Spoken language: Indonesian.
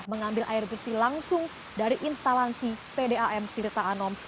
mengambil air bersih langsung dari instalasi pdam tirta anom